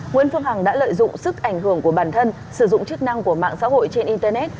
nguyễn phương hằng đã lợi dụng sức ảnh hưởng của bản thân sử dụng chức năng của mạng xã hội trên internet